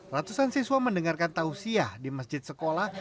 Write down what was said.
ratusan siswa mendengarkan tausiah di masjid sekolah